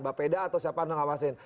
bapeda atau siapa yang mengawasin